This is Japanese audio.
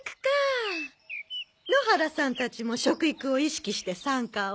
野原さんたちも食育を意識して参加を？